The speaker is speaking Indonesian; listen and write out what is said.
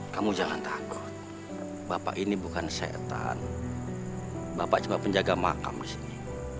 kamu jangan takut bapak ini bukan setan bapak cuma penjaga makam disini